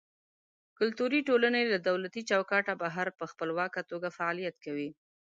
کلتوري ټولنې له دولتي چوکاټه بهر په خپلواکه توګه فعالیت کوي.